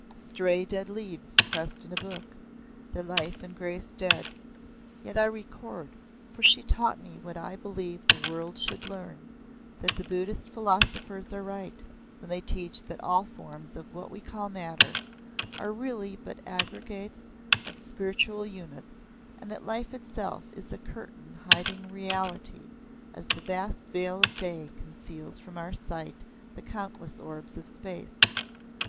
Stray dead leaves pressed in a book the life and grace dead. Yet I record, for she taught me what I believe the world should learn, that the Buddhist philosophers are right when they teach that all forms of what we call matter are really but aggregates of spiritual units, and that life itself is a curtain hiding reality as the vast veil of day conceals from our sight the countless orbs of space.